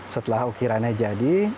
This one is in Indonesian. setelah ukirannya jadi